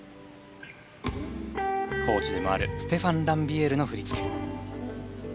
コーチでもあるステファン・ランビエールの振り付け。